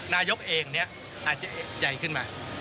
นายกเองเนี่ยอาจจะเอกใจขึ้นมา